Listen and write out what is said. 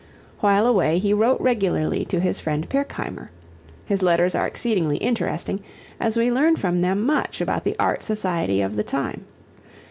While away he wrote regularly to his friend Pirkheimer. His letters are exceedingly interesting, as we learn from them much about the art society of the time.